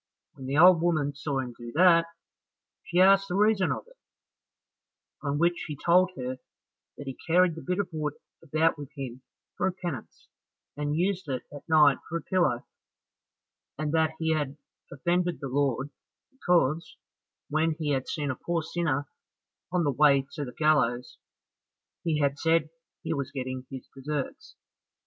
When the old woman saw him do that, she asked the reason of it, on which he told her that he carried the bit of wood about with him for a penance, and used it at night for a pillow, and that he had offended the Lord, because, when he had seen a poor sinner on the way to the gallows, he had said he was getting his deserts.